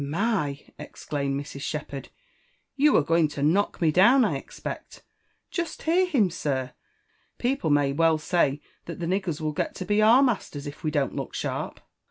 •• My — 1" exclaimed Mrs. Shepherd, you are going to knock me down, I expect I Jest hear him, sir. People may well say that the niggers will get to be our masters if we don't look sharp."